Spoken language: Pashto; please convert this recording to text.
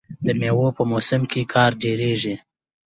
د میوو په موسم کې کار ډیریږي.